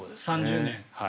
３０年。